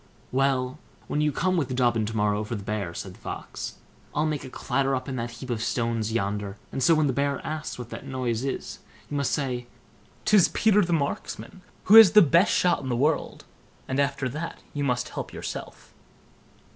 "Well, when you come with Dobbin to morrow for the bear", said the Fox, "I'll make a clatter up in that heap of stones yonder, and so when the bear asks what that noise is, you must say 'tis Peter the Marksman, who is the best shot in the world; and after that you must help yourself."